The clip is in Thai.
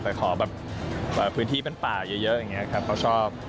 แต่ขอแบบพื้นที่เป็นป่าเยอะอย่างนี้ครับเขาชอบ